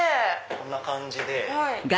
こんな感じで。